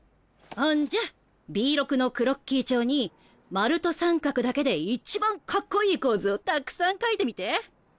ほんじゃＢ６のクロッキー帳に丸と三角だけでいちばんかっこいい構図をたくさん描いてみて。